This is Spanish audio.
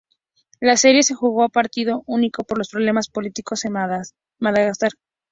La serie se jugó a partido único por los problemas políticos en Madagascar.